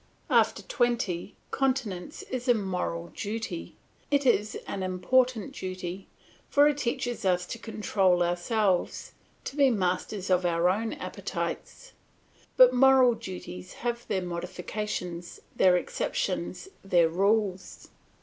After twenty, continence is a moral duty; it is an important duty, for it teaches us to control ourselves, to be masters of our own appetites. But moral duties have their modifications, their exceptions, their rules.